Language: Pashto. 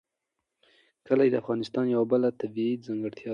کلي د افغانستان یوه بله طبیعي ځانګړتیا ده.